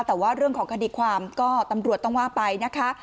แต่ว่าเรื่องของคดีความก็ตำรวจต้องว่าไปนะคะ